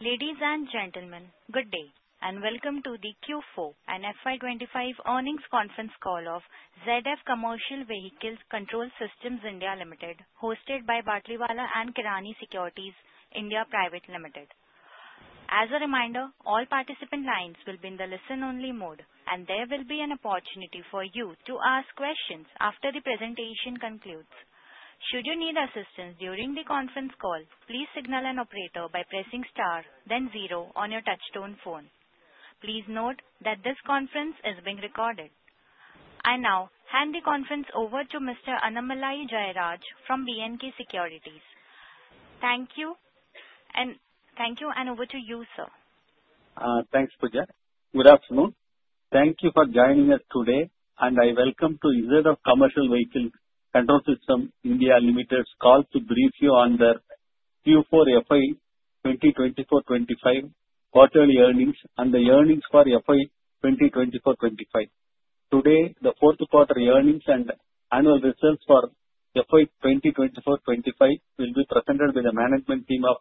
Ladies and gentlemen, good day and welcome to the Q4 and FY2025 earnings conference call of ZF Commercial Vehicle Control Systems India Limited, hosted by Batlivala and Karani Securities India Pvt. Ltd. As a reminder, all participant lines will be in the listen-only mode, and there will be an opportunity for you to ask questions after the presentation concludes. Should you need assistance during the conference call, please signal an operator by pressing star, then zero on your touch-tone phone. Please note that this conference is being recorded. I now hand the conference over to Mr. Annamalai Jayaraj from B&K Securities. Thank you, and over to you, sir. Thanks, Pooja. Good afternoon. Thank you for joining us today, and I welcome you to ZF Commercial Vehicle Control Systems India Limited's call to brief you on the Q4 FY2024-2025 quarterly earnings and the earnings for FY2024-2025. Today, the fourth quarter earnings and annual results for FY2024-2025 will be presented by the management team of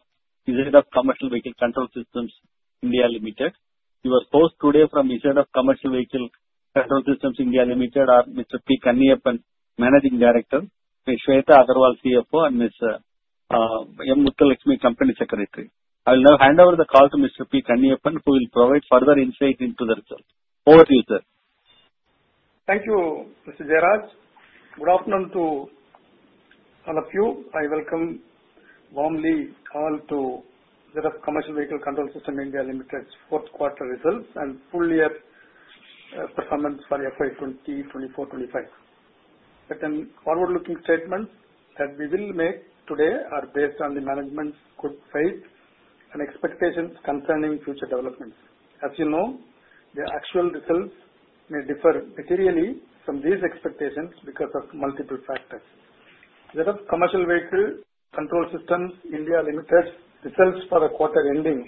ZF Commercial Vehicle Control Systems India Limited. We have present today from ZF Commercial Vehicle Control Systems India Limited, Mr. P. Kaniappan, Managing Director, Ms. Sweta Agarwal, CFO, and Ms. M. Muthulakshmi, Company Secretary. I will now hand over the call to Mr. P. Kaniappan, who will provide further insight into the results. Over to you, sir. Thank you, Mr. Jayaraj. Good afternoon to all of you. I welcome warmly all to ZF Commercial Vehicle Control Systems India Limited's fourth quarter results and full-year performance for FY2024-2025. Certain forward-looking statements that we will make today are based on the management's good faith and expectations concerning future developments. As you know, the actual results may differ materially from these expectations because of multiple factors. ZF Commercial Vehicle Control Systems India Limited's results for the quarter ending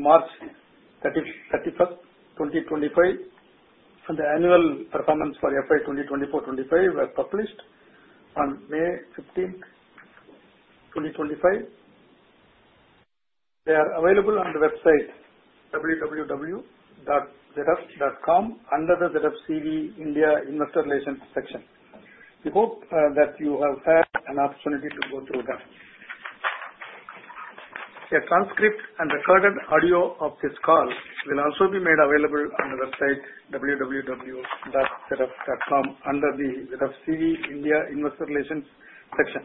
March 31, 2025, and the annual performance for FY2024-2025 were published on May 15, 2025. They are available on the website, www.zf.com, under the ZF CV India Investor Relations section. We hope that you have had an opportunity to go through them. A transcript and recorded audio of this call will also be made available on the website, www.zf.com, under the ZF CV India Investor Relations section.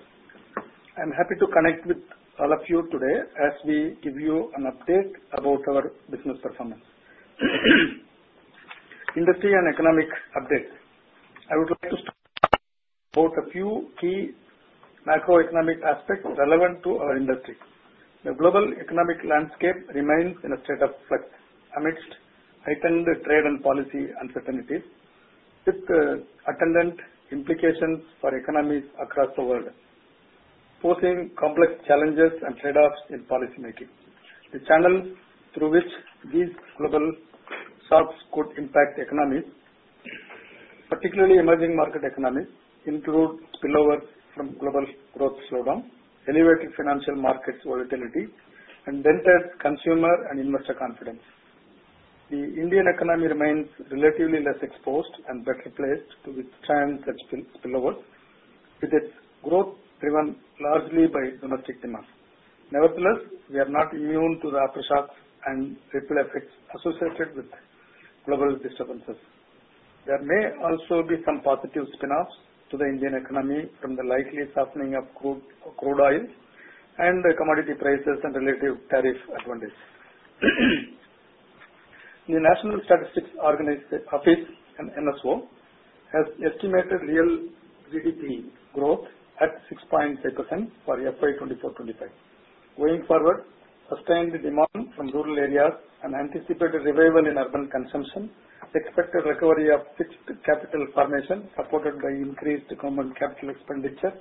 I'm happy to connect with all of you today as we give you an update about our business performance. Industry and economic updates. I would like to start with a few key macroeconomic aspects relevant to our industry. The global economic landscape remains in a state of flux amidst heightened trade and policy uncertainties, with attendant implications for economies across the world, posing complex challenges and trade-offs in policymaking. The channels through which these global shocks could impact economies, particularly emerging market economies, include spillovers from global growth slowdown, elevated financial market volatility, and dented consumer and investor confidence. The Indian economy remains relatively less exposed and better placed to withstand such spillovers, with its growth driven largely by domestic demands. Nevertheless, we are not immune to the aftershocks and ripple effects associated with global disturbances. There may also be some positive spin-offs to the Indian economy from the likely softening of crude oil and commodity prices and relative tariff advantage. The National Statistical Office (NSO) has estimated real GDP growth at 6.5% for FY2024-2025. Going forward, sustained demand from rural areas and anticipated revival in urban consumption, expected recovery of fixed capital formation supported by increased government capital expenditure,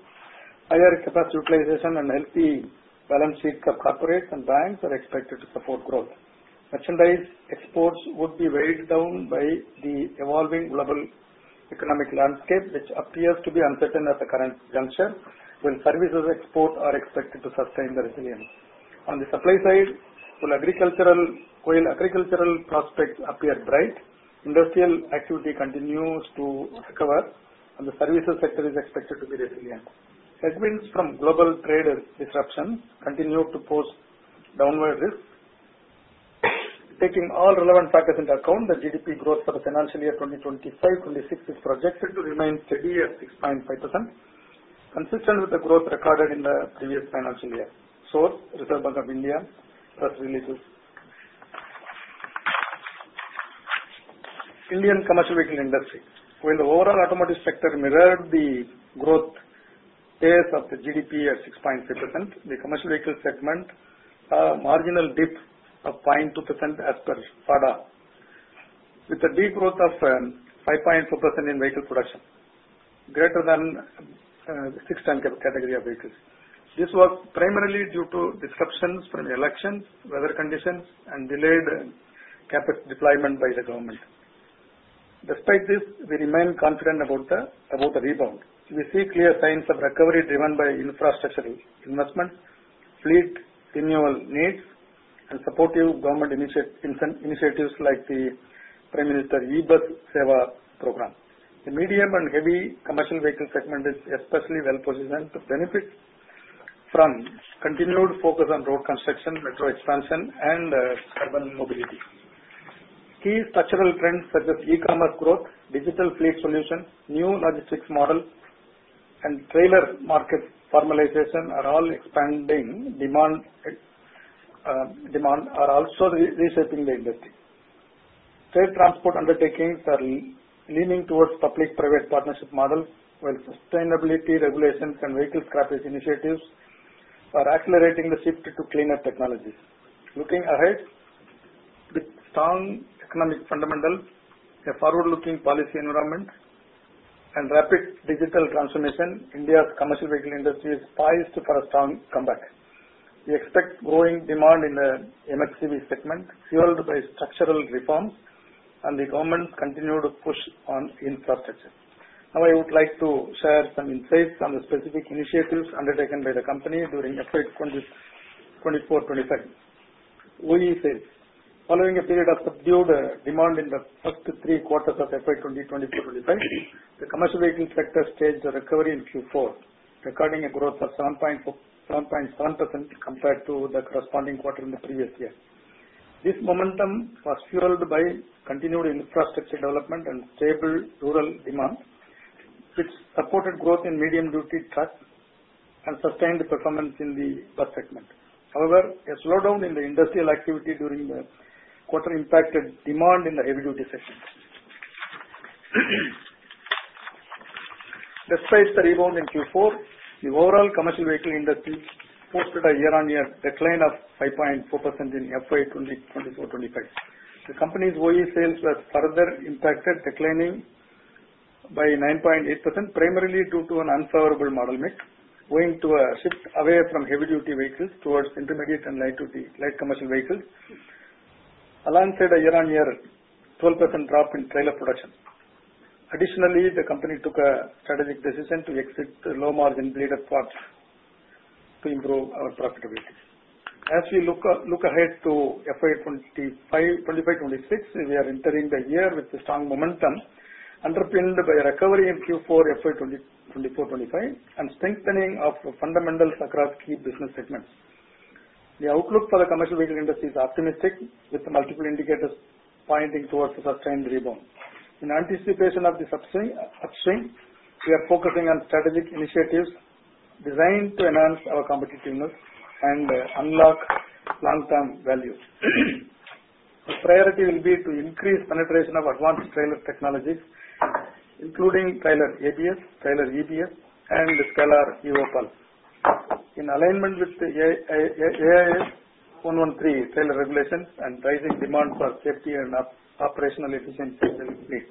higher capacity utilization, and healthy balance sheets of corporates and banks are expected to support growth. Merchandise exports would be weighed down by the evolving global economic landscape, which appears to be uncertain at the current juncture, while services exports are expected to sustain the resilience. On the supply side, while agricultural prospects appear bright, industrial activity continues to recover, and the services sector is expected to be resilient. Segments from global trade disruptions continue to pose downward risks. Taking all relevant factors into account, the GDP growth for the financial year 2025-2026 is projected to remain steady at 6.5%, consistent with the growth recorded in the previous financial year. Source, Reserve Bank of India releases. Indian Commercial Vehicle Industry. While the overall automotive sector mirrored the growth pace of the GDP at 6.5%, the commercial vehicle segment saw a marginal dip of 0.2% as per FADA, with a degrowth of 5.4% in vehicle production, greater than the 6-10 category of vehicles. This was primarily due to disruptions from elections, weather conditions, and delayed Capex deployment by the government. Despite this, we remain confident about the rebound. We see clear signs of recovery driven by infrastructure investment, fleet renewal needs, and supportive government initiatives like the Prime Minister E-Bus Seva program. The medium and heavy commercial vehicle segment is especially well-positioned to benefit from continued focus on road construction, metro expansion, and urban mobility. Key structural trends such as e-commerce growth, digital fleet solutions, new logistics models, and trailer market formalization are all expanding demand and also reshaping the industry. Trade transport undertakings are leaning towards public-private partnership models, while sustainability regulations and vehicle scrappage initiatives are accelerating the shift to cleaner technologies. Looking ahead, with strong economic fundamentals, a forward-looking policy environment, and rapid digital transformation, India's commercial vehicle industry is poised for a strong comeback. We expect growing demand in the MHCV segment, fueled by structural reforms, and the government's continued push on infrastructure. Now, I would like to share some insights on the specific initiatives undertaken by the company during FY2024-2025. Following a period of subdued demand in the first three quarters of FY2024-2025, the commercial vehicle sector staged a recovery in Q4, recording a growth of 7.7% compared to the corresponding quarter in the previous year. This momentum was fueled by continued infrastructure development and stable rural demand, which supported growth in medium-duty trucks and sustained performance in the bus segment. However, a slowdown in the industrial activity during the quarter impacted demand in the heavy-duty sector." Despite the rebound in Q4, the overall commercial vehicle industry posted a year-on-year decline of 5.4% in FY2024-2025. The company's OE sales were further impacted, declining by 9.8%, primarily due to an unfavorable model mix, owing to a shift away from heavy-duty vehicles towards intermediate and light commercial vehicles, alongside a year-on-year 12% drop in trailer production. Additionally, the company took a strategic decision to exit the low-margin bleeder parts to improve our profitability. As we look ahead to FY2025-2026, we are entering the year with a strong momentum underpinned by a recovery in Q4 FY2024-2025 and strengthening of fundamentals across key business segments. The outlook for the commercial vehicle industry is optimistic, with multiple indicators pointing towards a sustained rebound. In anticipation of the upswing, we are focusing on strategic initiatives designed to enhance our competitiveness and unlock long-term value. The priority will be to increase penetration of advanced trailer technologies, including Trailer ABS, trailer EBS, and SCALAR EVO Pulse, in alignment with the AIS 113 trailer regulations and rising demand for safety and operational efficiency in the fleet.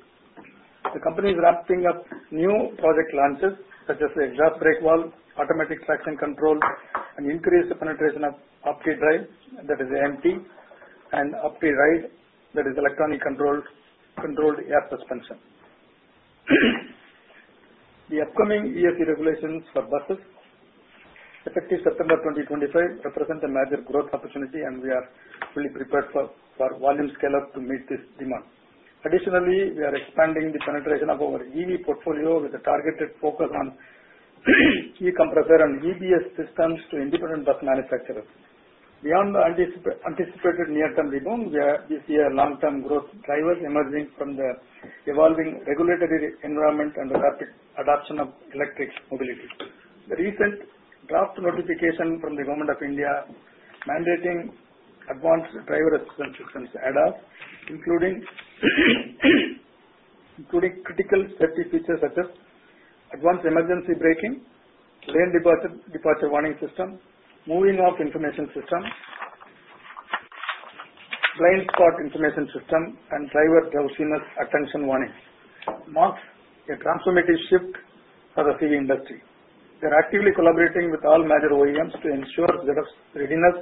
The company is ramping up new project launches such as the exhaust brake valve, automatic traction control, and increased penetration of OptiDrive, that is AMT, and OptiRide, that is electronically controlled air suspension. The upcoming ESC regulations for buses, effective September 2025, represent a major growth opportunity, and we are fully prepared for volume scale-up to meet this demand. Additionally, we are expanding the penetration of our EV portfolio with a targeted focus on E-compressor and EBS systems to independent bus manufacturers. Beyond the anticipated near-term rebound, we see long-term growth drivers emerging from the evolving regulatory environment and the rapid adoption of electric mobility. The recent draft notification from the Government of India mandating advanced driver assistance systems, ADAS, including critical safety features such as advanced emergency braking, lane departure warning system, moving-off information system, blind-spot information system, and driver drowsiness and attention warnings, marks a transformative shift for the CV industry. They are actively collaborating with all major OEMs to ensure ZF's readiness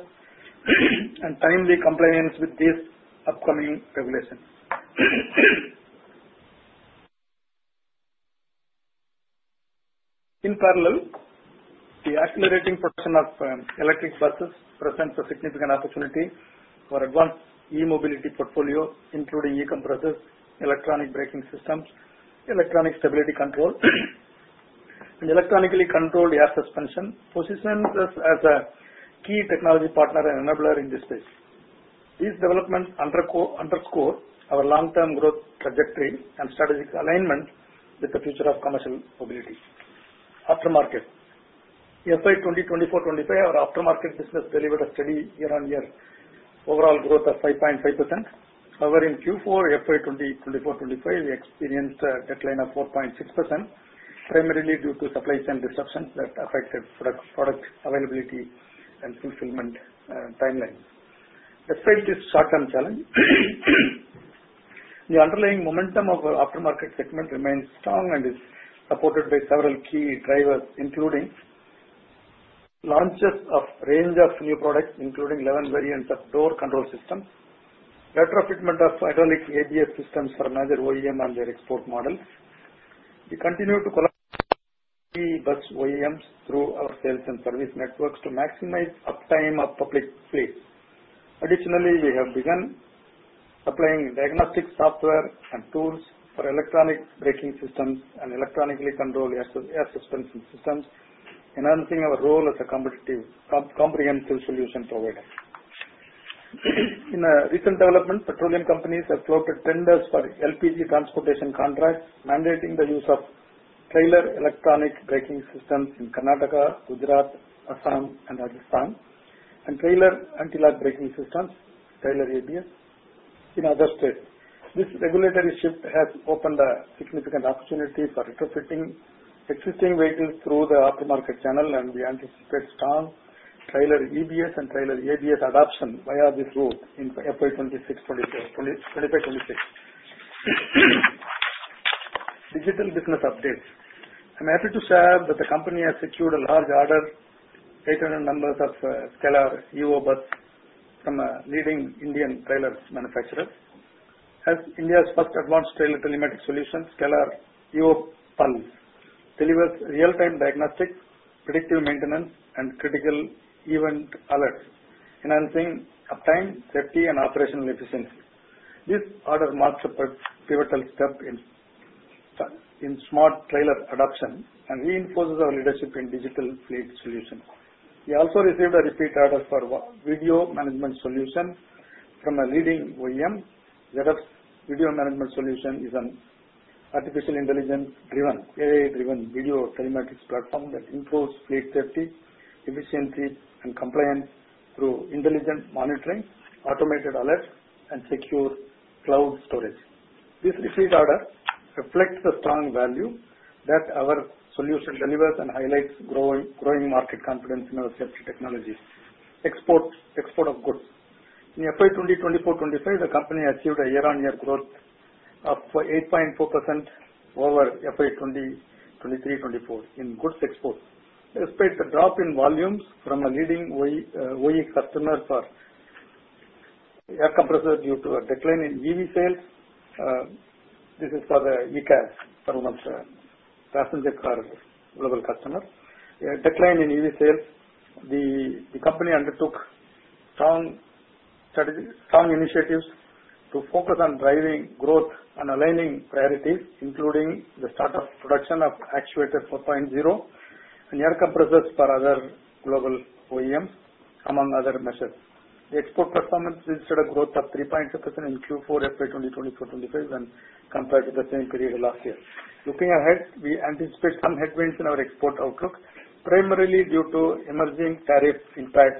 and timely compliance with these upcoming regulations. In parallel, the accelerating production of electric buses presents a significant opportunity for advanced e-mobility portfolio, including e-compressors, electronic braking systems, electronic stability control, and electronically controlled air suspension, positioning us as a key technology partner and enabler in this space. These developments underscore our long-term growth trajectory and strategic alignment with the future of commercial mobility. Aftermarket. FY 2024-2025, our aftermarket business delivered a steady year-on-year overall growth of 5.5%. However, in Q4 FY2024-2025, we experienced a decline of 4.6%, primarily due to supply chain disruptions that affected product availability and fulfillment timelines. Despite this short-term challenge, the underlying momentum of our aftermarket segment remains strong and is supported by several key drivers, including launches of a range of new products, including 11 variants of door control systems, retrofitment of hydraulic ABS systems for a major OEM and their export models. We continue to collaborate with key bus OEMs through our sales and service networks to maximize uptime of public fleets. Additionally, we have begun supplying diagnostic software and tools for electronic braking systems and electronically controlled air suspension systems, enhancing our role as a comprehensive solution provider. In recent developments, petroleum companies have floated tenders for LPG transportation contracts, mandating the use of trailer electronic braking systems in Karnataka, Gujarat, Assam, and Rajasthan, and trailer anti-lock braking systems, trailer ABS, in other states. This regulatory shift has opened a significant opportunity for retrofitting existing vehicles through the aftermarket channel, and we anticipate strong trailer EBS and trailer ABS adoption via this route in FY2025-2026. Digital business updates. I'm happy to share that the company has secured a large order, 800 numbers of SCALAR EVO buses from a leading Indian trailer manufacturer. As India's first advanced trailer telematics solution, SCALAR EVO Pulse delivers real-time diagnostics, predictive maintenance, and critical event alerts, enhancing uptime, safety, and operational efficiency. This order marks a pivotal step in smart trailer adoption and reinforces our leadership in digital fleet solutions. We also received a repeat order for Video Management Solution from a leading OEM. ZF's Video Management Solution is an artificial intelligence-driven, AI-driven video telematics platform that improves fleet safety, efficiency, and compliance through intelligent monitoring, automated alerts, and secure cloud storage. This repeat order reflects the strong value that our solution delivers and highlights growing market confidence in our safety technologies. Export of goods. In FY 2024-2025, the company achieved a year-on-year growth of 8.4% over FY 2023-2024 in goods exports. Despite the drop in volumes from a leading OE customer for air compressors due to a decline in EV sales, this is for the ECAS, premium passenger car global customer. Decline in EV sales, the company undertook strong initiatives to focus on driving growth and aligning priorities, including the start of production of Actuator 4.0 and air compressors for other global OEMs, among other measures. The export performance registered a growth of 3.2% in Q4 FY2024-2025 when compared to the same period last year. Looking ahead, we anticipate some headwinds in our export outlook, primarily due to emerging tariff impacts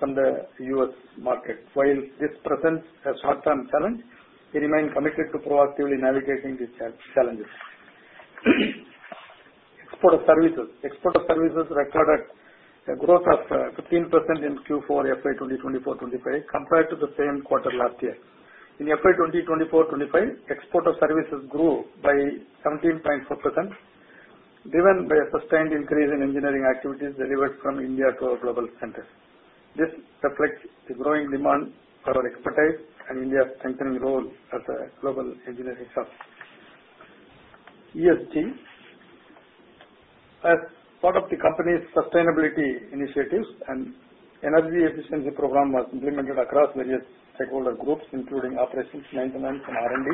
from the U.S. market. While this presents a short-term challenge, we remain committed to proactively navigating these challenges. Export of services. Export of services recorded a growth of 15% in Q4 FY2024-2025 compared to the same quarter last year. In FY2024-2025, export of services grew by 17.4%, driven by a sustained increase in engineering activities delivered from India to our global centers. This reflects the growing demand for our expertise and India's strengthening role as a global engineering hub. ESG. As part of the company's sustainability initiatives, an energy efficiency program was implemented across various stakeholder groups, including operations management and R&D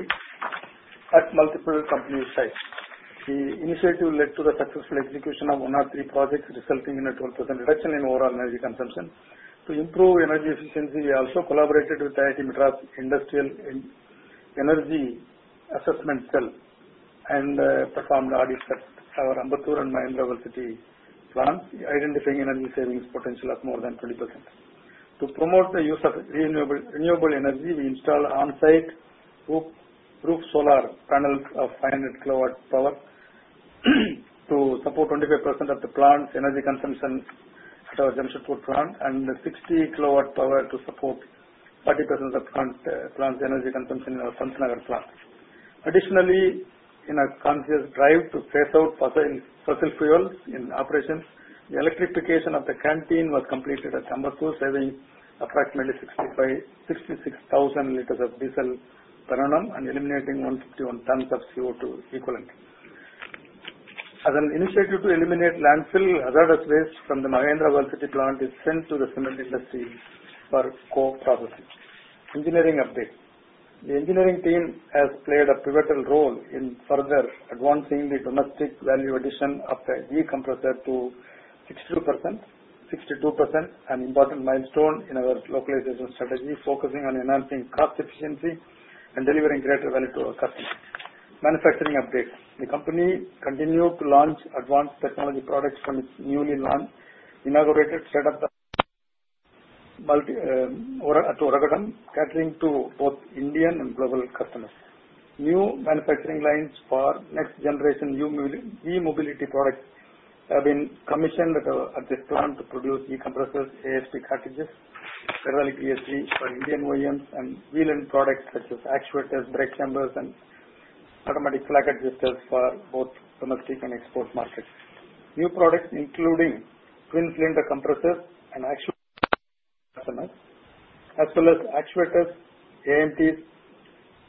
at multiple company sites. The initiative led to the successful execution of one or three projects, resulting in a 12% reduction in overall energy consumption. To improve energy efficiency, we also collaborated with IIT Madras's industrial energy assessment cell and performed audits at our Ambattur and Mahindra World City plants, identifying energy savings potential of more than 20%. To promote the use of renewable energy, we installed on-site roof solar panels of 500 kilowatt power to support 25% of the plant's energy consumption at our Jamshedpur plant, and 60 kW power to support 30% of the plant's energy consumption in our Pantnagar plant. Additionally, in a conscious drive to phase out fossil fuels in operations, the electrification of the canteen was completed at Ambattur, saving approximately 66,000 L of diesel per annum and eliminating 151 tons of CO2 equivalent. As an initiative to eliminate landfill hazardous waste from the Mahindra World City plant, it was sent to the cement industry for co-processing. Engineering update. The engineering team has played a pivotal role in further advancing the domestic value addition of the e-compressor to 62%, an important milestone in our localization strategy, focusing on enhancing cost efficiency and delivering greater value to our customers. Manufacturing updates. The company continued to launch advanced technology products from its newly inaugurated setup at Oragadam, catering to both Indian and global customers. New manufacturing lines for next-generation e-mobility products have been commissioned at this plant to produce e-compressors, ASP cartridges, hydraulic ESC for Indian OEMs, and wheel-end products such as actuators, brake chambers, and automatic slack adjusters for both domestic and export markets. New products, including twin-cylinder compressors and actuators, as well as actuators, AMTs,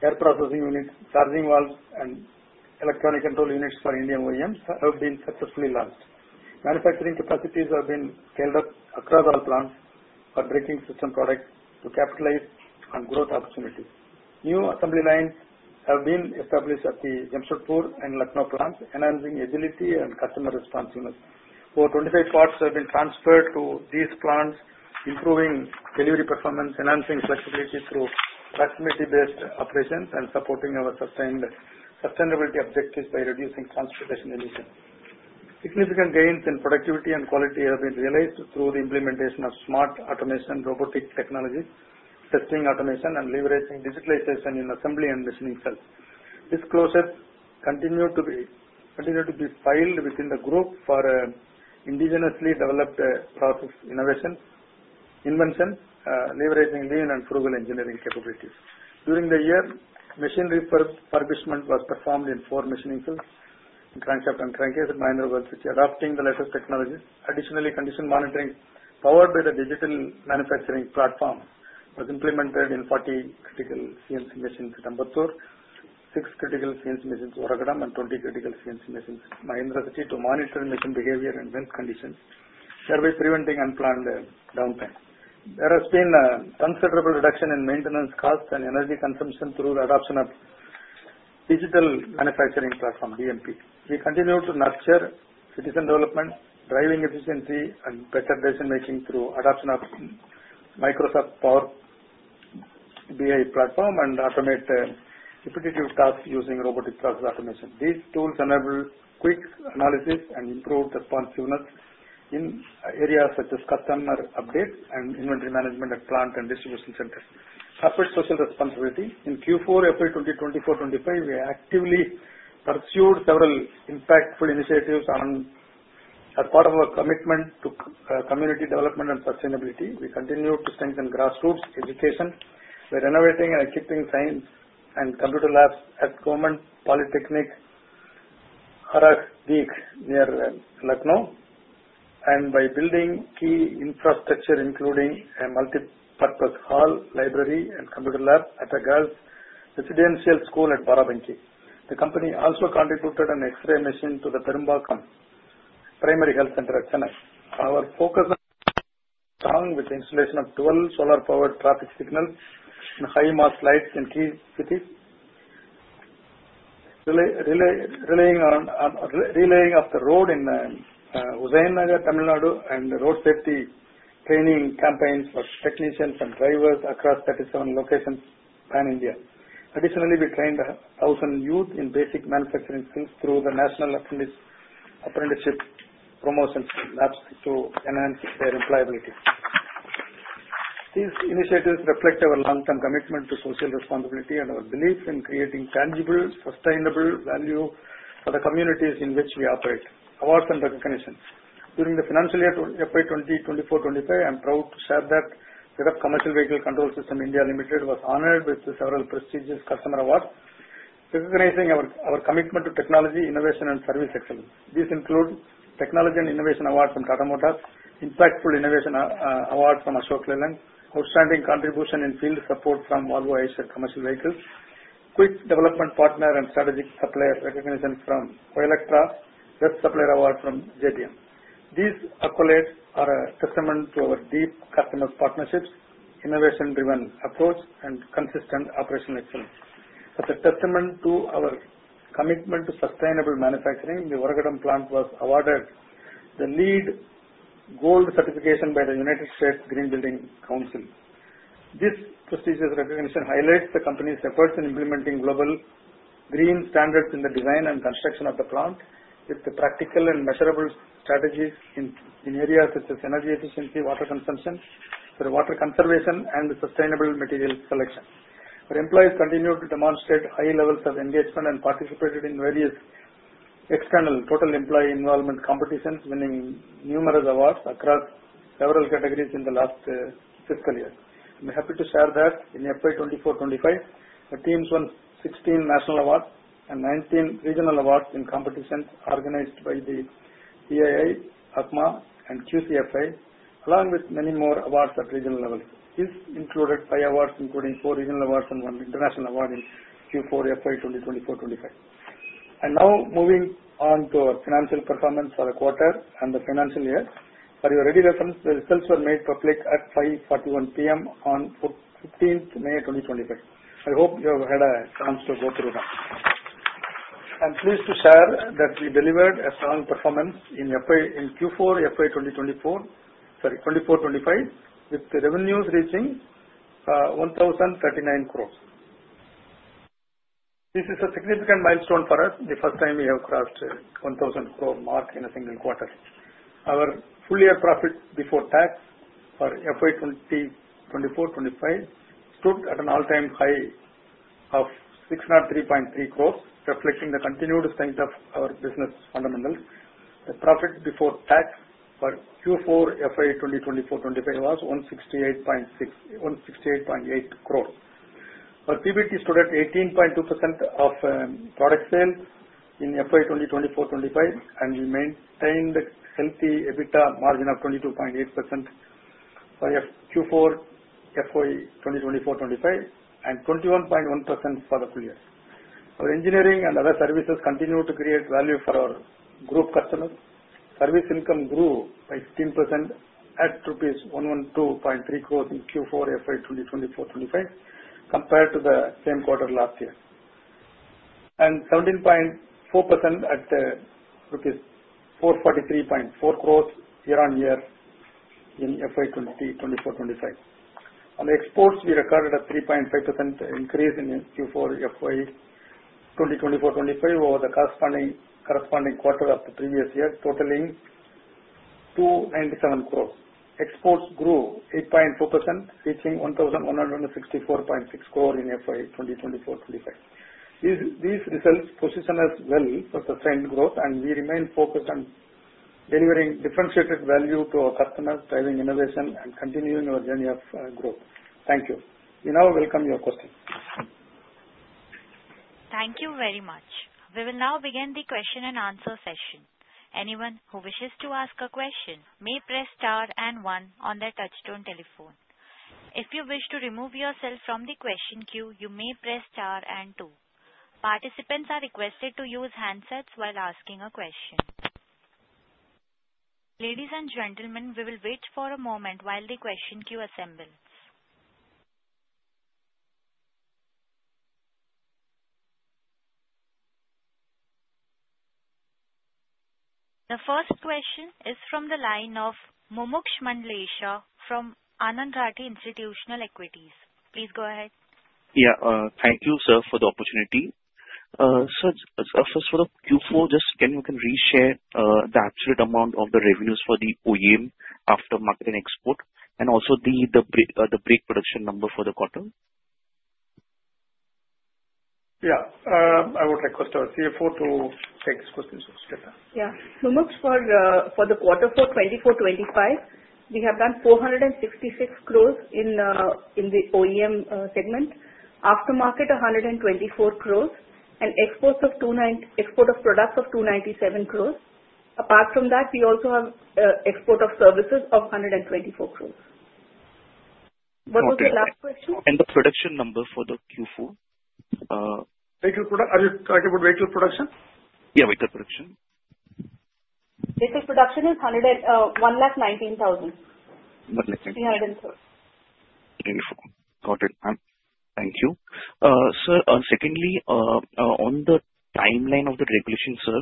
air processing units, charging valves, and electronic control units for Indian OEMs, have been successfully launched. Manufacturing capacities have been scaled up across all plants for braking system products to capitalize on growth opportunities. New assembly lines have been established at the Jamshedpur and Lucknow plants, enhancing agility and customer responsiveness. Over 25 parts have been transferred to these plants, improving delivery performance, enhancing flexibility through proximity-based operations, and supporting our sustainability objectives by reducing transportation emissions. Significant gains in productivity and quality have been realized through the implementation of smart automation, robotic technology, testing automation, and leveraging digitalization in assembly and machining cells. Disclosures continued to be filed within the group for indigenously developed process innovation, inventions, leveraging lean and frugal engineering capabilities. During the year, machinery refurbishment was performed in four machining cells, in Crankshaft and Crankcase at Mahindra World City, adopting the latest technologies. Additionally, condition monitoring powered by the digital manufacturing platform was implemented in 40 critical CNC machines at Ambattur, 6 critical CNC machines in Oragadam, and 20 critical CNC machines in Mahindra World City to monitor machine behavior and vent conditions, thereby preventing unplanned downtime. There has been a considerable reduction in maintenance costs and energy consumption through the adoption of digital manufacturing platform, DMP. We continue to nurture citizen development, driving efficiency and better decision-making through the adoption of Microsoft Power BI platform and automate repetitive tasks using robotic process automation. These tools enable quick analysis and improve responsiveness in areas such as customer updates and inventory management at plant and distribution centers. Corporate social responsibility. In Q4 FY2024-2025, we actively pursued several impactful initiatives as part of our commitment to community development and sustainability. We continue to strengthen grassroots education. We are renovating and equipping science and computer labs at Government Polytechnic Harakh near Lucknow, and by building key infrastructure, including a multi-purpose hall, library, and computer lab at a girls' residential school at Barabanki. The company also contributed an X-ray machine to the Perumbakkam Primary Health Center at Chennai. Our focus is strong with the installation of 12 solar-powered traffic signals and high-mast lights in key cities, relaying of the road in Husainnagar, Tamil Nadu, and road safety training campaigns for technicians and drivers across 37 locations pan-India. Additionally, we trained 1,000 youth in basic manufacturing skills through the National Apprenticeship Promotion Labs to enhance their employability. These initiatives reflect our long-term commitment to social responsibility and our belief in creating tangible, sustainable value for the communities in which we operate. Awards and recognitions. During the financial year FY2024-2025, I'm proud to share that ZF Commercial Vehicle Control Systems India Limited was honored with several prestigious customer awards, recognizing our commitment to technology, innovation, and service excellence. These include Technology and Innovation Awards from Tata Motors, Impactful Innovation Award from Ashok Leyland, Outstanding Contribution in Field Support from Volvo Eicher Commercial Vehicles, Quick Development Partner and Strategic Supplier recognition from Olectra Greentech Limited, Best Supplier Award from JBM Auto Limited. These accolades are a testament to our deep customer partnerships, innovation-driven approach, and consistent operational excellence. As a testament to our commitment to sustainable manufacturing, the Oragadam plant was awarded the LEED Gold certification by the United States Green Building Council. This prestigious recognition highlights the company's efforts in implementing global green standards in the design and construction of the plant, with practical and measurable strategies in areas such as energy efficiency, water consumption, water conservation, and sustainable material selection. Our employees continued to demonstrate high levels of engagement and participated in various external total employee involvement competitions, winning numerous awards across several categories in the last fiscal year. I'm happy to share that in FY2024-2025, our team won 16 national awards and 19 regional awards in competitions organized by the CII, ACMA, and QCFI, along with many more awards at regional levels. These included five awards, including four regional awards and one international award in Q4 FY2024-2025. And now, moving on to our financial performance for the quarter and the financial year. For your ready reference, the results were made public at 5:41 P.M. on 15th May 2025. I hope you have had a chance to go through them. I'm pleased to share that we delivered a strong performance in Q4 FY2024-2025, with revenues reaching 1,039 crores. This is a significant milestone for us, the first time we have crossed the 1,000 crore mark in a single quarter. Our full-year profit before tax for FY2024-2025 stood at an all-time high of 603.3 crores, reflecting the continued strength of our business fundamentals. The profit before tax for Q4 FY2024-2025 was 168.8 crores. Our PBT stood at 18.2% of product sales in FY2024-2025 and we maintained a healthy EBITDA margin of 22.8% for Q4 FY2024-2025 and 21.1% for the full year. Our engineering and other services continued to create value for our group customers. Service income grew by 15% at rupees 112.3 crores in Q4 FY2024-2025 compared to the same quarter last year, and 17.4% at INR 443.4 crores year-on-year in FY2024-2025. On exports, we recorded a 3.5% increase in Q4 FY2024-2025 over the corresponding quarter of the previous year, totaling 297 crores. Exports grew 8.2%, reaching 1,164.6 crores in FY2024-2025. These results position us well for sustained growth, and we remain focused on delivering differentiated value to our customers, driving innovation, and continuing our journey of growth. Thank you. We now welcome your questions. Thank you very much. We will now begin the question-and-answer session. Anyone who wishes to ask a question may press star and one on their touch-tone telephone. If you wish to remove yourself from the question queue, you may press star and two. Participants are requested to use handsets while asking a question. Ladies and gentlemen, we will wait for a moment while the question queue assembles. The first question is from the line of Mumuksh Mandlesha from Anand Rathi Institutional Equities. Please go ahead. Yeah, thank you, sir, for the opportunity. Sir, first for the Q4, just can you reshare the absolute amount of the revenues for the OEM, aftermarket and export, and also the brake production number for the quarter? Yeah, I would request CFO to take this question straight. Yeah, Mumuksh, for the quarter for 2024-2025, we have done 466 crores in the OEM segment, aftermarket 124 crores, and export of products of 297 crores. Apart from that, we also have export of services of 124 crores. What was the last question? And the production number for the Q4? Vehicle product, are you talking about vehicle production? Yeah, vehicle production. Vehicle production is 119,000. 119,000. 304. Got it, ma'am. Thank you. Sir, secondly, on the timeline of the regulation, sir,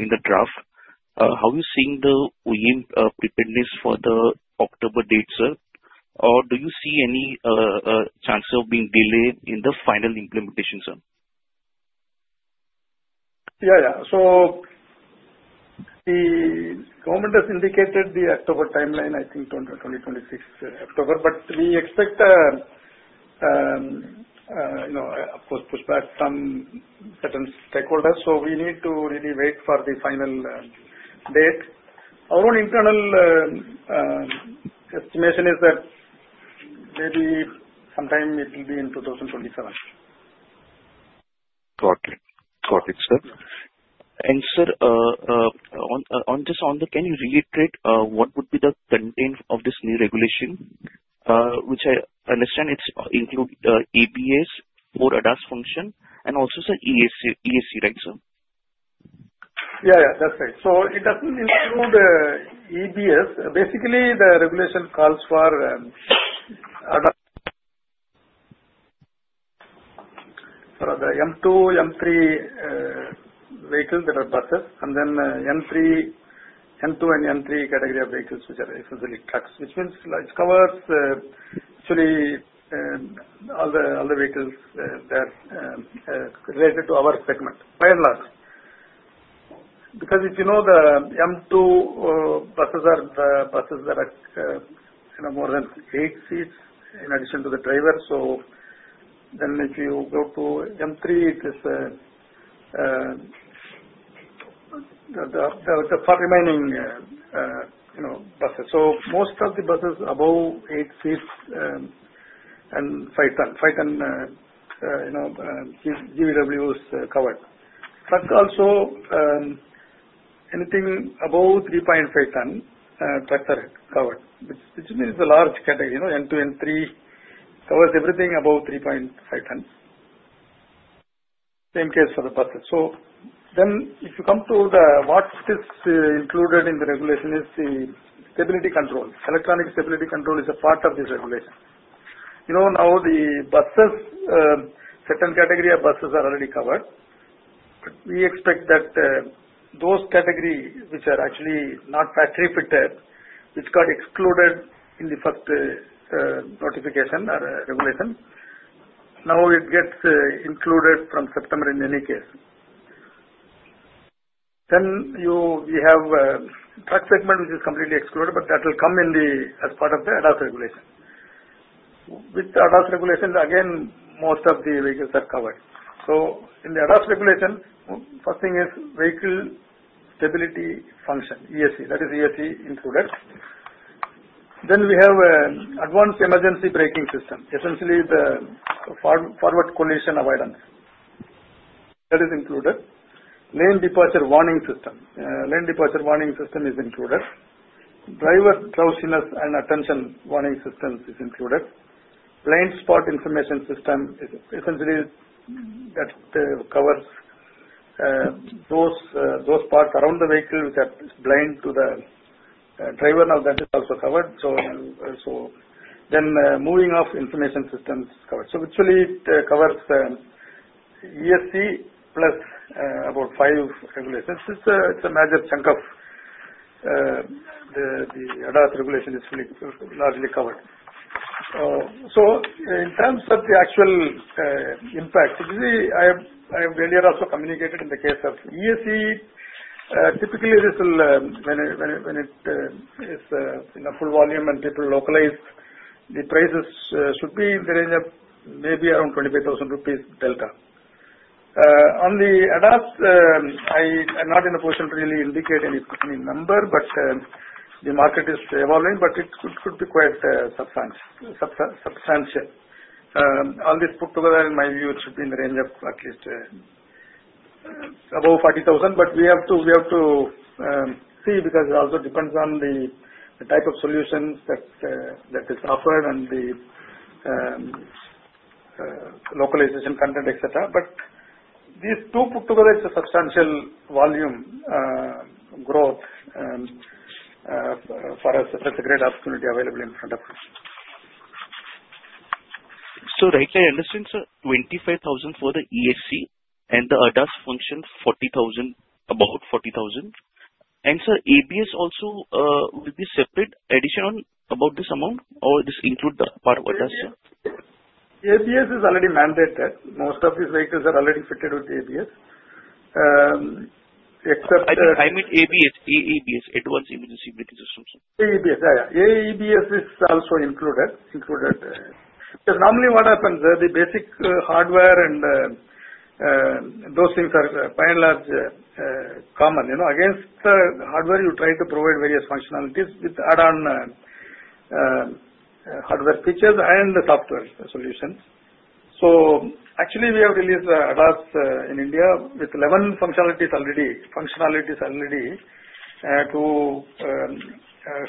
in the draft, how are you seeing the OEM preparedness for the October date, sir? Or do you see any chance of being delayed in the final implementation, sir? Yeah, yeah. So the government has indicated the October timeline, I think 2026 October, but we expect, of course, pushback from certain stakeholders, so we need to really wait for the final date. Our own internal estimation is that maybe sometime it will be in 2027. Got it. Got it, sir. And sir, just on the, can you reiterate what would be the content of this new regulation, which I understand it's included EBS for ADAS function and also ESC, right, sir? Yeah, yeah, that's right. So it doesn't include EBS. Basically, the regulation calls for the M2, M3 vehicles that are buses, and then M2 and M3 category of vehicles, which are essentially trucks, which means it covers actually all the vehicles that are related to our segment, by and large. Because if you know the M2 buses are the buses that are more than eight seats in addition to the driver, so then if you go to M3, it is the remaining buses. So most of the buses are above eight seats and five ton. Five ton GVWs covered. Truck also, anything above 3.5 ton trucks are covered, which means the large category, M2, M3, covers everything above 3.5 tons. Same case for the buses. So then if you come to what is included in the regulation is the stability control. Electronic Stability Control is a part of this regulation. Now, the buses, certain category of buses are already covered, but we expect that those categories which are actually not factory-fitted, which got excluded in the first notification or regulation, now it gets included from September in any case. Then we have truck segment, which is completely excluded, but that will come as part of the ADAS regulation. With the ADAS regulation, again, most of the vehicles are covered. So in the ADAS regulation, first thing is vehicle stability function, ESC. That is ESC included. Then we have advanced emergency braking system, essentially the forward collision avoidance. That is included. Lane departure warning system. Lane departure warning system is included. Driver Drowsiness and attention warning systems are included. Blind spot information system is essentially that covers those parts around the vehicle that are blind to the driver. Now, that is also covered. So then moving off information systems is covered. So actually, it covers ESC plus about five regulations. It's a major chunk of the ADAS regulation is largely covered. So in terms of the actual impact, I have earlier also communicated in the case of ESC, typically this will, when it is in full volume and people localize, the prices should be in the range of maybe around 25,000 rupees delta. On the ADAS, I am not in a position to really indicate any number, but the market is evolving, but it could be quite substantial. All this put together, in my view, it should be in the range of at least above 40,000, but we have to see because it also depends on the type of solutions that is offered and the localization content, etc. But these two put together, it's a substantial volume growth for a great opportunity available in front of us. So right, I understand, sir, 25,000 for the ESC and the ADAS function, about 40,000. Sir, ABS also will be separate addition on about this amount, or this includes the part of ADAS, sir? ABS is already mandated. Most of these vehicles are already fitted with ABS, except for. I meant ABS, AEBS, Advanced Emergency Braking System, sir. AEBS, yeah, yeah. AEBS is also included. Because normally what happens, the basic hardware and those things are by and large common. Against the hardware, you try to provide various functionalities with add-on hardware features and software solutions. So actually, we have released ADAS in India with 11 functionalities already to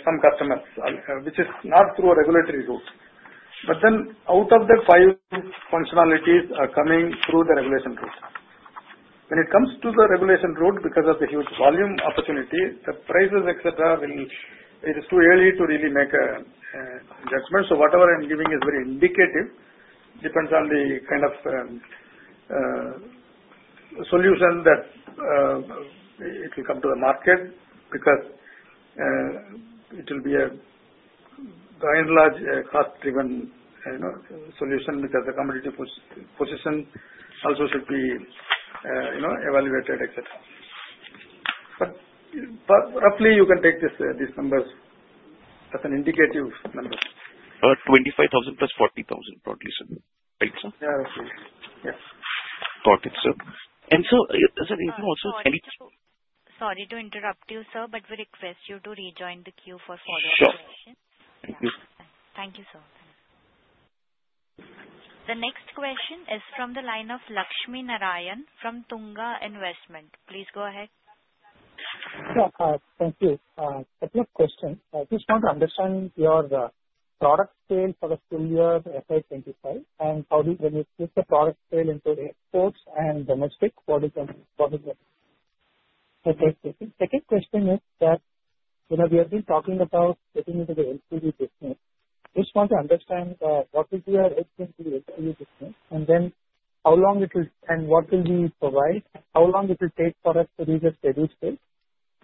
some customers, which is not through a regulatory route. But then out of the five functionalities are coming through the regulation route. When it comes to the regulation route, because of the huge volume opportunity, the prices, etc., it is too early to really make a judgment. So whatever I'm giving is very indicative. Depends on the kind of solution that it will come to the market because it will be a by and large cost-driven solution because the competitive position also should be evaluated, etc. But roughly, you can take these numbers as an indicative number. About 25,000 plus 40,000, probably, sir. Right, sir? Yeah, roughly. Yeah. Got it, sir. And sir, is there anything also? Sorry to interrupt you, sir, but we request you to rejoin the queue for follow-up questions. Sure. Thank you. Thank you, sir. The next question is from the line of Lakshmi Narayanan from Tunga Investments. Please go ahead. Yeah, thank you. Question. I just want to understand your product sale for the full year FY2025 and how. When you put the product sale into exports and domestic, what is the next question? Second question is that we have been talking about getting into the LCV business. I just want to understand what is your LCV business, and then how long it will, and what will we provide, how long it will take for us to reach a steady state,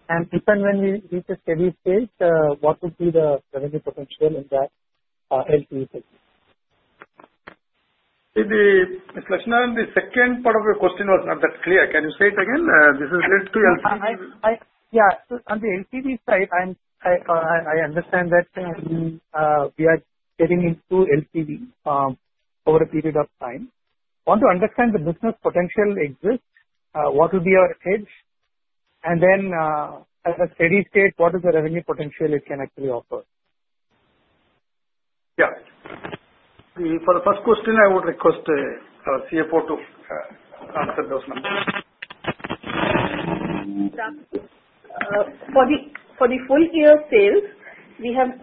and even when we reach a steady state, what would be the revenue potential in that LCV business? The question on the second part of your question was not that clear. Can you say it again? This is related to LCV. Yeah, so on the LCV side, I understand that we are getting into LCV over a period of time. I want to understand the business potential exists, what will be our edge, and then at a steady state, what is the revenue potential it can actually offer? Yeah. For the first question, I would request CFO to answer those numbers. For the full year sales, we have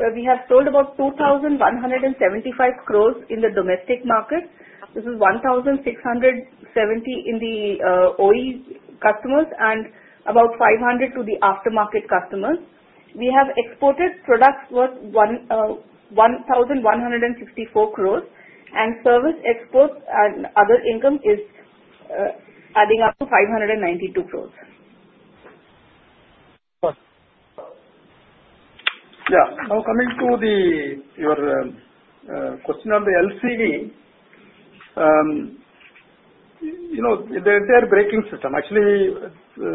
sold about 2,175 crores in the domestic market. This is 1,670 in the OE customers and about 500 to the aftermarket customers. We have exported products worth 1,164 crores, and service exports and other income is adding up to 592 crores. Yeah. Now coming to your question on the LCV, the entire braking system. Actually,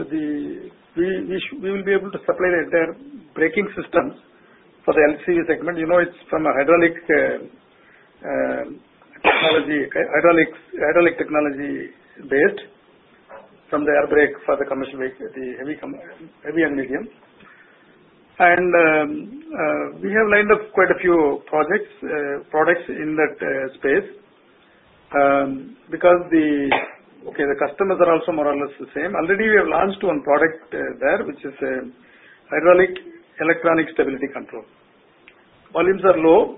we will be able to supply the entire braking system for the LCV segment. It's from a hydraulic technology based from the air brake for the commercial vehicle, the heavy and medium. And we have lined up quite a few products in that space because, okay, the customers are also more or less the same. Already, we have launched one product there, which is hydraulic electronic stability control. Volumes are low,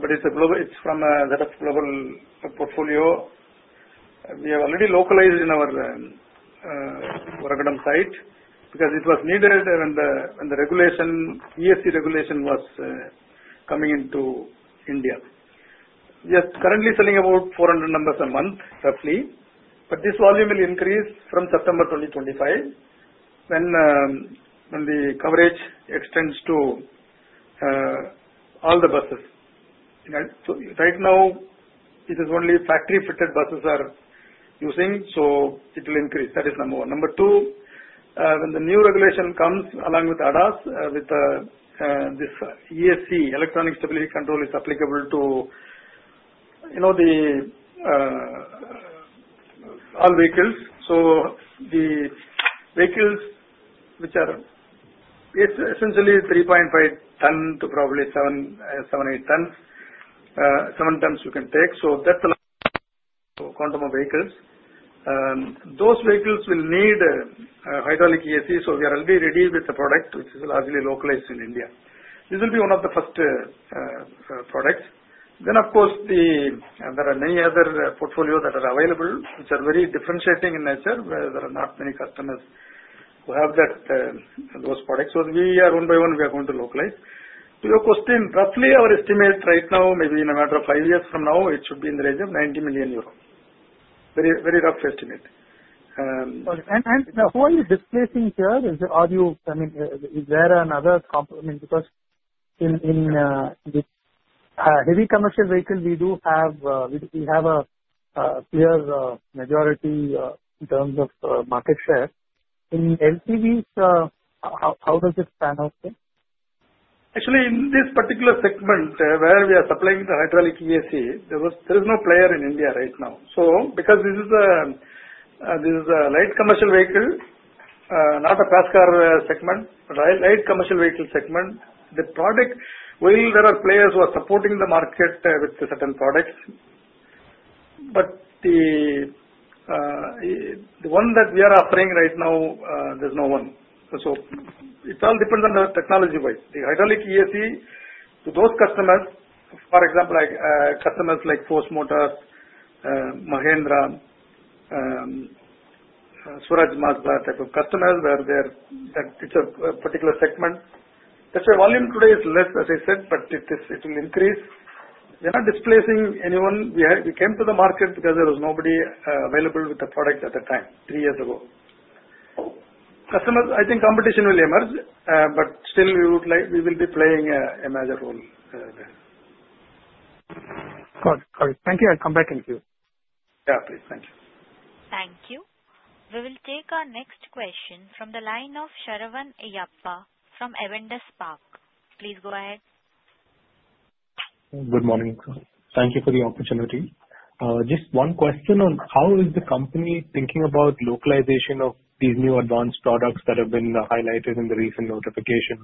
but it's from a set of global portfolio. We have already localized in our Oragadam site because it was needed when the regulation, ESC regulation, was coming into India. We are currently selling about 400 numbers a month, roughly, but this volume will increase from September 2025 when the coverage extends to all the buses. Right now, it is only factory-fitted buses we are using, so it will increase. That is number one. Number two, when the new regulation comes along with ADAS, with this ESC electronic stability control is applicable to all vehicles. So the vehicles which are essentially 3.5 ton to probably seven, eight tons, seven tons you can take. So that's the quantum of vehicles. Those vehicles will need hydraulic ESC, so we are already ready with the product, which is largely localized in India. This will be one of the first products. Then, of course, there are many other portfolios that are available, which are very differentiating in nature, where there are not many customers who have those products. So we are one by one, we are going to localize. To your question, roughly our estimate right now, maybe in a matter of five years from now, it should be in the range of 90 million euro. Very rough estimate. And who are you displacing here? I mean, is there another comp? I mean, because in the heavy commercial vehicle, we do have a clear majority in terms of market share. In LCVs, how does it pan out? Actually, in this particular segment where we are supplying the hydraulic ESC, there is no player in India right now. So because this is a light commercial vehicle, not a passenger car segment, light commercial vehicle segment, the product will there are players who are supporting the market with certain products. But the one that we are offering right now, there's no one. So it all depends on the technology-wise. The hydraulic ESC to those customers, for example, customers like Force Motors, Mahindra, Swaraj Mazda type of customers where it's a particular segment. That's why volume today is less, as I said, but it will increase. We are not displacing anyone. We came to the market because there was nobody available with the product at the time, three years ago. Customers, I think competition will emerge, but still we will be playing a major role there. Got it. Got it. Thank you. I'll come back and give. Yeah, please. Thank you. Thank you. We will take our next question from the line of Shravan Iyyappan from Avendus Spark. Please go ahead. Good morning. Thank you for the opportunity. Just one question on how is the company thinking about localization of these new advanced products that have been highlighted in the recent notification?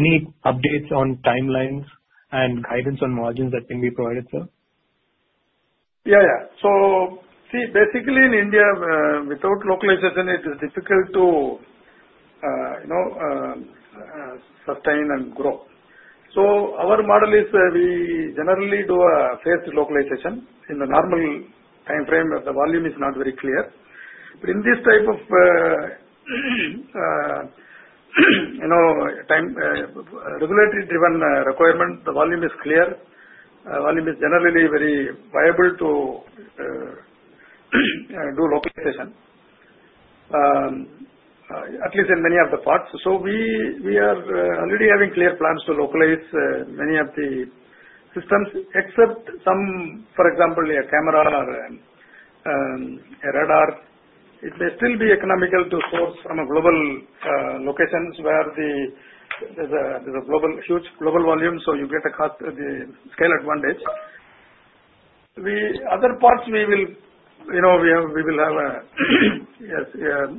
Any updates on timelines and guidance on margins that can be provided, sir? Yeah, yeah. See, basically in India, without localization, it is difficult to sustain and grow. Our model is we generally do a phased localization in the normal timeframe if the volume is not very clear. In this type of regulatory-driven requirement, the volume is clear. Volume is generally very viable to do localization, at least in many of the parts. We are already having clear plans to localize many of the systems, except some, for example, a camera or a radar. It may still be economical to source from a global location where there's a huge global volume, so you get the scale advantage. Other parts, we will have a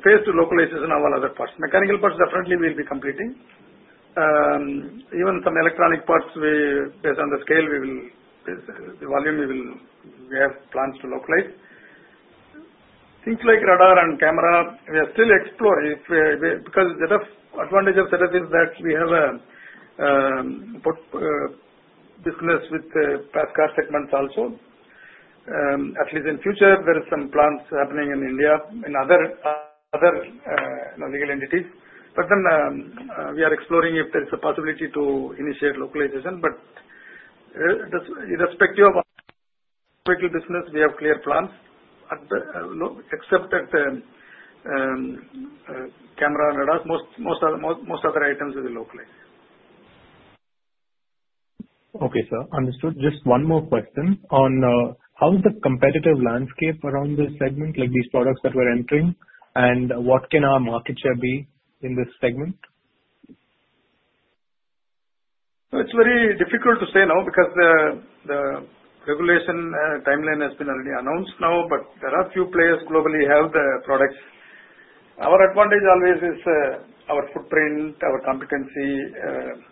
phased localization of all other parts. Mechanical parts definitely we'll be completing. Even some electronic parts, based on the scale, the volume, we have plans to localize. Things like radar and camera, we are still exploring because the advantage of that is that we have put business with the passenger car segments also. At least in future, there are some plans happening in India and other legal entities. But then we are exploring if there is a possibility to initiate localization. But irrespective of vehicle business, we have clear plans, except at the camera and radar. Most other items will be localized. Okay, sir. Understood. Just one more question on how is the competitive landscape around this segment, like these products that we're entering, and what can our market share be in this segment? It's very difficult to say now because the regulation timeline has been already announced now, but there are a few players globally who have the products. Our advantage always is our footprint, our competency,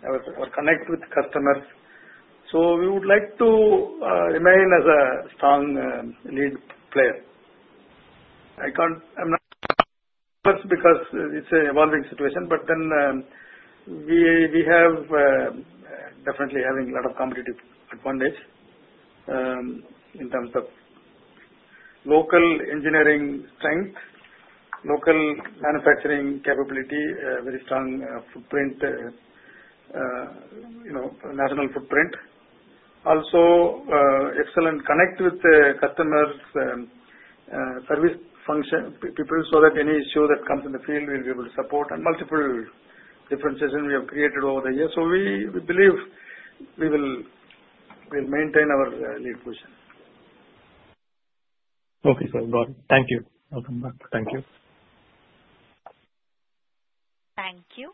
our connect with customers. So we would like to remain as a strong lead player. I'm not sure because it's an evolving situation, but then we have definitely having a lot of competitive advantage in terms of local engineering strength, local manufacturing capability, very strong national footprint. Also, excellent connect with customers, service people, so that any issue that comes in the field, we'll be able to support, and multiple differentiation we have created over the years. So we believe we will maintain our lead position. Okay, sir. Got it. Thank you. Welcome back. Thank you. Thank you.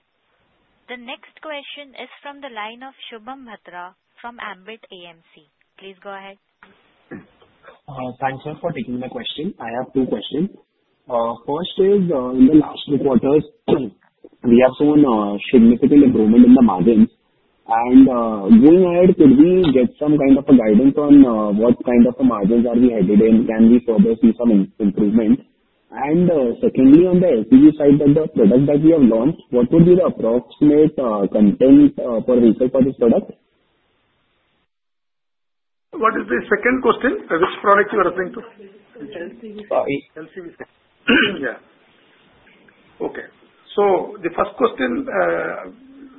The next question is from the line of Shubham Bhatra from Ambit AMC. Please go ahead. Thanks, sir, for taking my question. I have two questions. First is, in the last two quarters, we have seen significant improvement in the margins. Going ahead, could we get some kind of a guidance on what kind of margins are we headed in? Can we further see some improvement? And secondly, on the LCV side, the product that we have launched, what would be the approximate content per vehicle for this product? What is the second question? Which product are you referring to? LCV. LCV. Yeah. Okay. So the first question,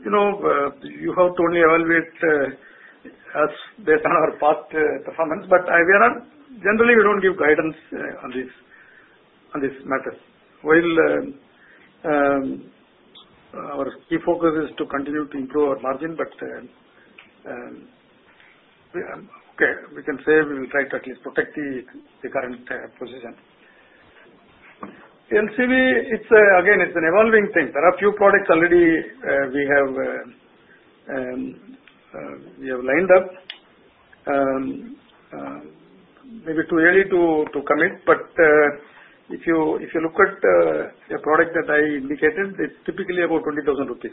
you have told me to evaluate us based on our past performance, but generally, we don't give guidance on this matter. Our key focus is to continue to improve our margin, but okay, we can say we will try to at least protect the current position. LCV, again, it's an evolving thing. There are a few products already we have lined up. Maybe too early to commit, but if you look at the product that I indicated, it's typically about 20,000 rupees.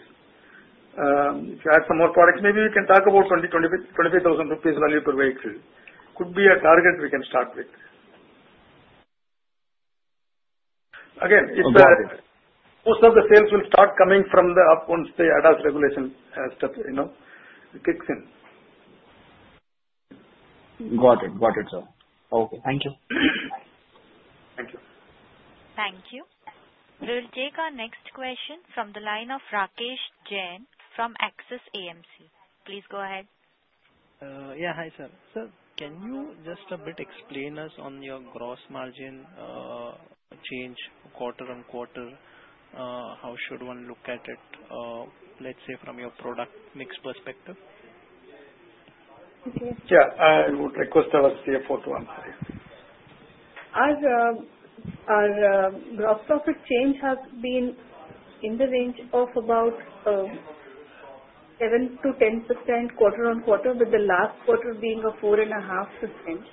If you add some more products, maybe we can talk about 25,000 rupees value per vehicle. Could be a target we can start with. Again, most of the sales will start coming from the up once the ADAS regulation kicks in. Got it. Got it, sir. Okay. Thank you. Thank you. Thank you. We will take our next question from the line of Rakesh Jain from Axis AMC. Please go ahead. Yeah. Hi, sir. Sir, can you just a bit explain us on your gross margin change quarter-on-quarter? How should one look at it, let's say, from your product mix perspective? Yeah. I would request our CFO to answer. Our gross profit change has been in the range of about 7%-10% quarter on quarter, with the last quarter being a 4.5%.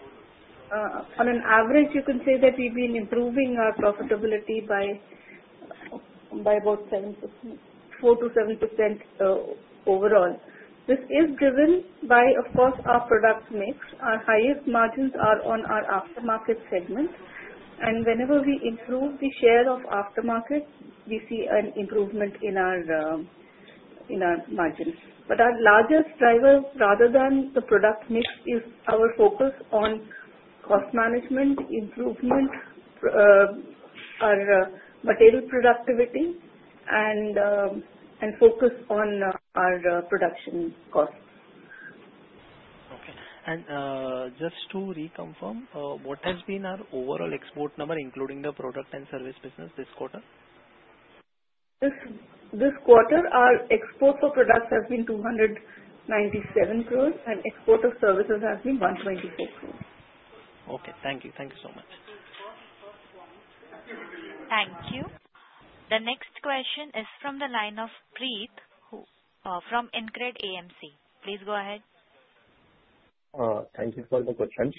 On an average, you can say that we've been improving our profitability by about 4%-7% overall. This is driven by, of course, our product mix. Our highest margins are on our aftermarket segment. And whenever we improve the share of aftermarket, we see an improvement in our margins. But our largest driver, rather than the product mix, is our focus on cost management, improvement, our material productivity, and focus on our production costs. Okay. And just to reconfirm, what has been our overall export number, including the product and service business this quarter? This quarter, our export for products has been 297 crore, and export of services has been 124 crore. Okay. Thank you. Thank you so much. Thank you. The next question is from the line of Preet from InCred AMC. Please go ahead. Thank you for the question.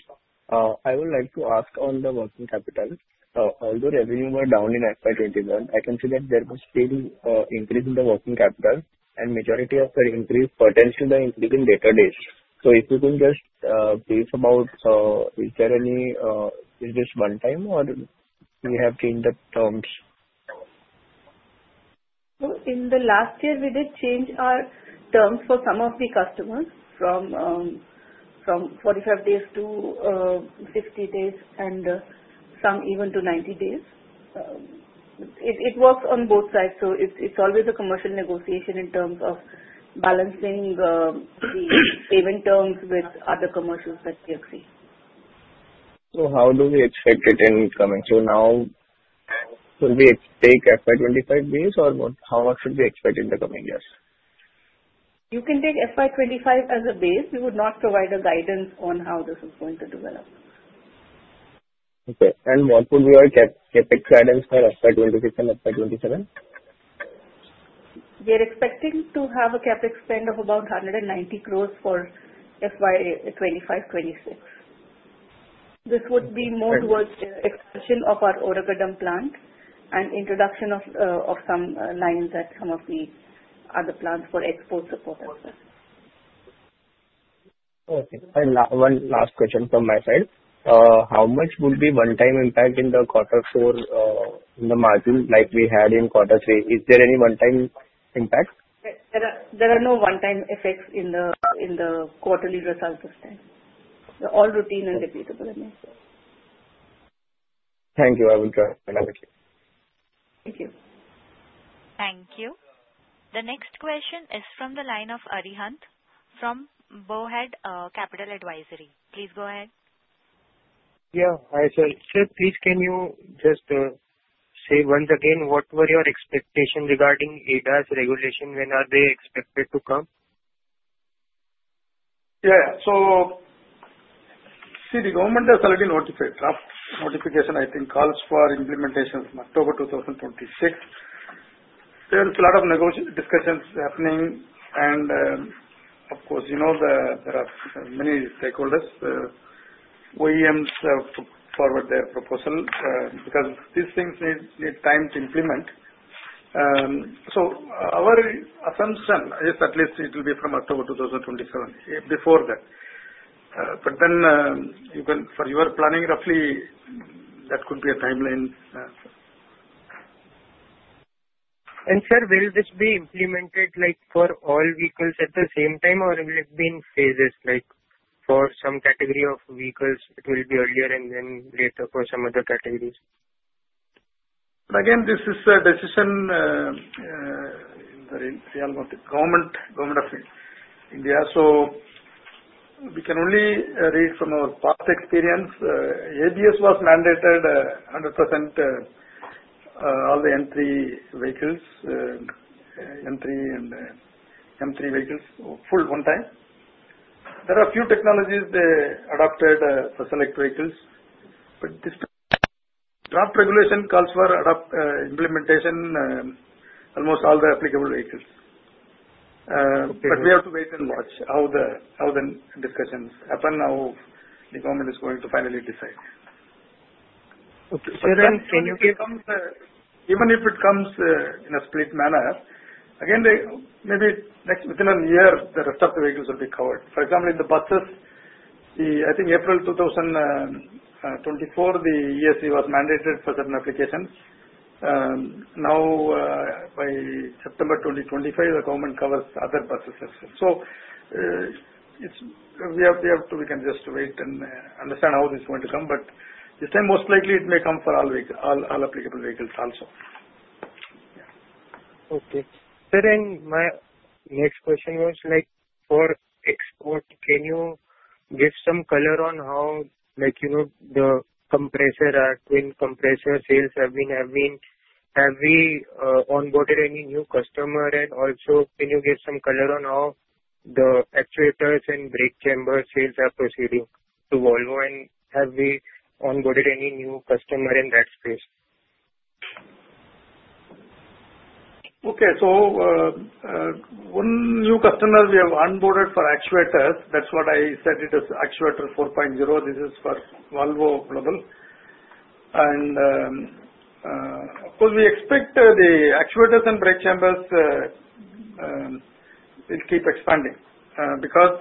I would like to ask on the working capital. Although revenues were down in FY 2021, I can see that there was still an increase in the working capital, and majority of the increase pertains to the increase in debtor days. So if you can just brief about, is there any—is this one time, or do you have changed the terms? So in the last year, we did change our terms for some of the customers from 45 days to 50 days and some even to 90 days. It works on both sides. So it's always a commercial negotiation in terms of balancing the payment terms with other commercials that we have seen. So how do we expect it in coming? So now, should we take FY 2025 base, or how much should we expect in the coming years? You can take FY 2025 as a base. We would not provide a guidance on how this is going to develop. Okay. And what would be our CapEx guidance for FY 2026 and FY 2027? We are expecting to have a CapEx spend of about 190 crore for FY 2025, 2026. This would be more towards the expansion of our Oragadam plant and introduction of some lines at some of the other plants for export support as well. Okay. One last question from my side. How much would be one-time impact in the quarter four in the margin like we had in quarter three? Is there any one-time impact? There are no one-time effects in the quarterly results this time. They're all routine and repeatable in this year. Thank you. I will join. Thank you. Thank you. Thank you. The next question is from the line of Arihant from Bowhead Capital Advisory. Please go ahead. Yeah. Hi, sir. Sir, please can you just say once again what were your expectations regarding ADAS regulation? When are they expected to come? Yeah. So see, the government has already notified. Notification, I think, calls for implementation from October 2026. There's a lot of discussions happening, and of course, there are many stakeholders. OEMs have forwarded their proposal because these things need time to implement. So our assumption is at least it will be from October 2027, before that. But then for your planning, roughly, that could be a timeline. And sir, will this be implemented for all vehicles at the same time, or will it be in phases? For some category of vehicles, it will be earlier and then later for some other categories? Again, this is a decision in the government of India. So we can only read from our past experience. ABS was mandated 100% all the N3 vehicles, M3 and M3 vehicles, full one time. There are a few technologies they adopted for select vehicles. But this draft regulation calls for implementation in almost all the applicable vehicles. But we have to wait and watch how the discussions happen, how the government is going to finally decide. Okay. So then, can you give us? Even if it comes in a split manner, again, maybe within a year, the rest of the vehicles will be covered. For example, in the buses, I think April 2024, the ESC was mandated for certain applications. Now, by September 2025, the government covers other buses. So we have to, we can just wait and understand how this is going to come. But this time, most likely, it may come for all applicable vehicles also. Okay. Sweta, my next question was for export. Can you give some color on how the compressor sales have been? Have we onboarded any new customer? And also, can you give some color on how the actuators and brake chamber sales are proceeding to Volvo? And have we onboarded any new customer in that space? Okay. One new customer we have onboarded for actuators. That's what I said it is Actuator 4.0. This is for Volvo Group. And of course, we expect the actuators and brake chambers will keep expanding because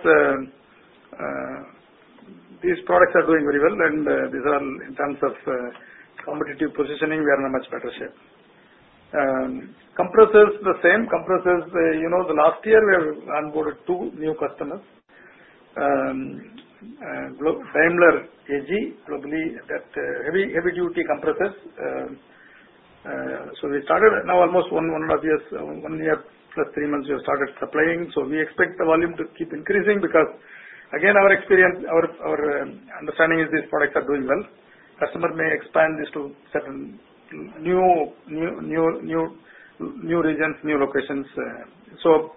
these products are doing very well. And in terms of competitive positioning, we are in a much better shape. Compressors, the same. Compressors, last year, we have onboarded two new customers: Daimler Truck AG, globally, for heavy-duty compressors. So we started now almost one and a half years, one year plus three months, we have started supplying. So we expect the volume to keep increasing because, again, our understanding is these products are doing well. Customers may expand this to certain new regions, new locations. So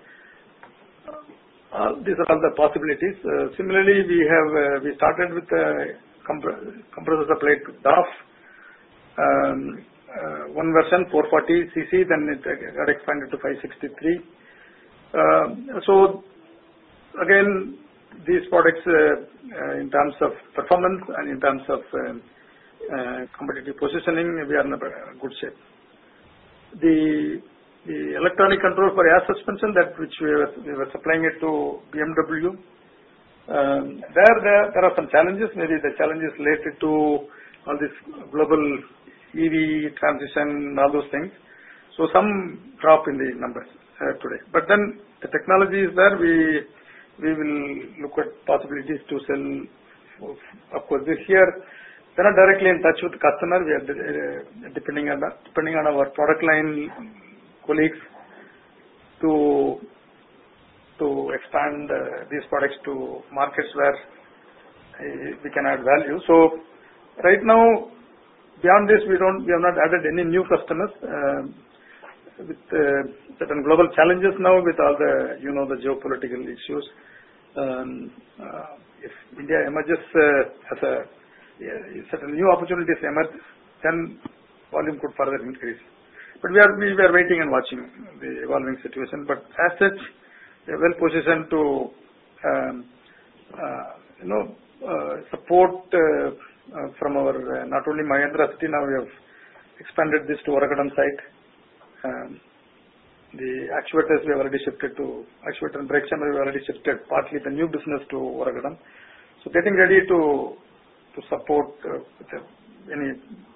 these are all the possibilities. Similarly, we started with the compressor supply to DAF, one version, 440 cc, then it got expanded to 563. So again, these products, in terms of performance and in terms of competitive positioning, we are in a good shape. The electronic control for air suspension, which we were supplying to BMW, there are some challenges. Maybe the challenges related to all this global EV transition, all those things. So some drop in the numbers today. But then the technology is there. We will look at possibilities to sell. Of course, this year, they're not directly in touch with the customer. We are depending on our product line colleagues to expand these products to markets where we can add value. So right now, beyond this, we have not added any new customers. With certain global challenges now, with all the geopolitical issues, if India emerges as a certain new opportunities emerge, then volume could further increase. But we are waiting and watching the evolving situation. But as such, we are well positioned to support from our not only Mahindra World City. Now we have expanded this to Oragadam site. The actuators, we have already shifted to actuator and brake chambers. We have already shifted partly the new business to Oragadam. So getting ready to support any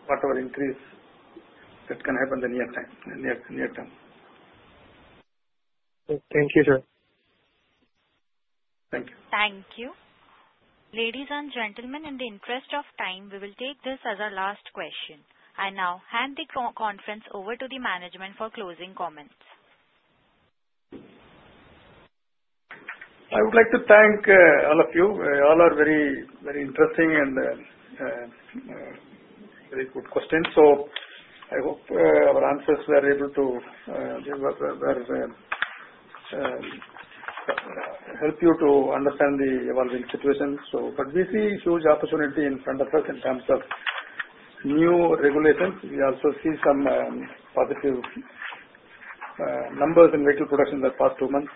whatever increase that can happen in the near term. Thank you, sir. Thank you. Thank you. Ladies and gentlemen, in the interest of time, we will take this as our last question. I now hand the conference over to the management for closing comments. I would like to thank all of you. You all are very interesting and very good questions, so I hope our answers were able to help you to understand the evolving situation, but we see a huge opportunity in front of us in terms of new regulations. We also see some positive numbers in vehicle production in the past two months,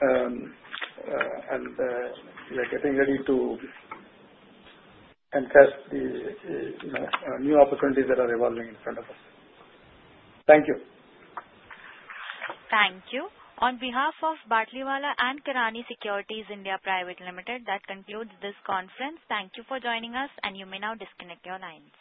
and we are getting ready to invest in new opportunities that are evolving in front of us. Thank you. Thank you. On behalf of Batlivala and Karani Securities India Private Limited, that concludes this conference. Thank you for joining us, and you may now disconnect your lines.